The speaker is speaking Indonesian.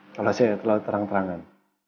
kalau saya terlalu terang terangan